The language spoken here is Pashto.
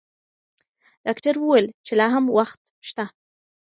ډاکټر وویل چې لا هم وخت شته.